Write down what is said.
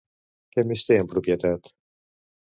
Què més té en propietat?